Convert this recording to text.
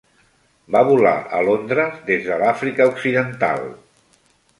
Va volar a Londres des de l'Àfrica Occidental.